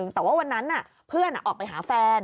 แต่ว่าวันนั้นเพื่อนออกไปหาแฟน